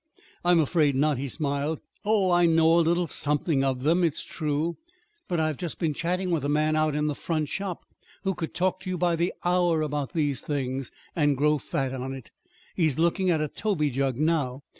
"I'm afraid not," he smiled. "Oh, I know a little something of them, it's true; but I've just been chatting with a man out in the front shop who could talk to you by the hour about those things and grow fat on it. He's looking at a toby jug now.